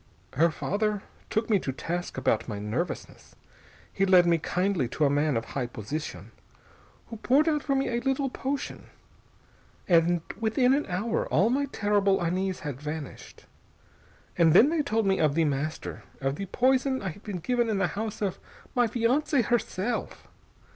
"Her father took me to task about my nervousness. He led me kindly to a man of high position, who poured out for me a little potion.... And within an hour all my terrible unease had vanished. And then they told me of The Master, of the poison I had been given in the house of my fiancée herself.